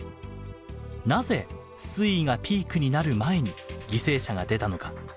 なぜ水位がピークになる前に犠牲者が出たのか。